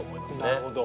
なるほど。